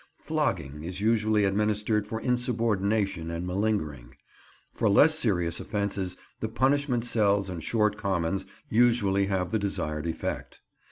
Flogging is usually administered for insubordination and malingering. For less serious offences the punishment cells and short commons usually have the desired effect.